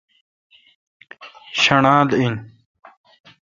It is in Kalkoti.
شݨال این۔